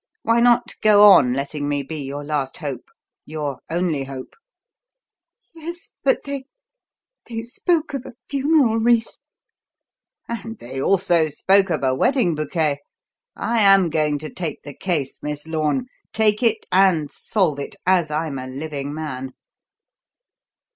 "Why not go on letting me be your last hope your only hope?" "Yes, but they they spoke of a funeral wreath." "And they also spoke of a wedding bouquet! I am going to take the case, Miss Lorne take it, and solve it, as I'm a living man.